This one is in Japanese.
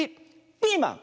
ピーマン。